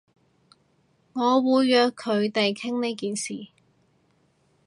我會約佢哋傾呢件事